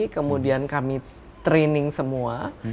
kemudian kami training semua